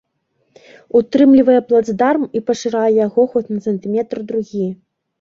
Утрымлівае плацдарм і пашырае яго хоць на сантыметр-другі.